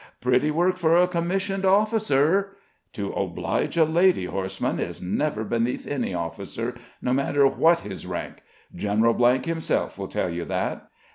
"Pretty work for a commissioned officer!" "To oblige a lady, Horstman, is never beneath any officer, no matter what his rank. General himself will tell you that!"